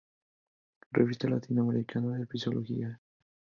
Revista latinoamericana de Psicología, pp.